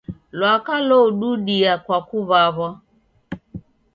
Lwaka loududia kwa kuw'aw'a.